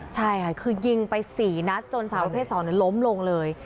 ใช่ค่ะคือยิงไป๔นัดจนสาวประเภท๒ล้มลงเลย